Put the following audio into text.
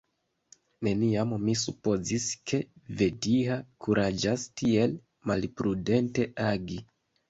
Neniam mi supozis, ke Vetiha kuraĝas tiel malprudente agi.